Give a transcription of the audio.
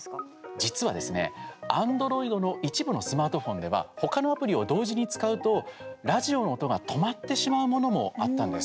実は、アンドロイドの一部のスマートフォンでは他のアプリを同時に使うとラジオの音が止まってしまうものもあったんです。